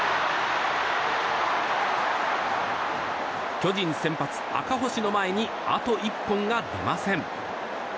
巨人先発、赤星の前にあと一本が出ません。